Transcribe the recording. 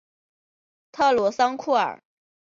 特鲁桑库尔。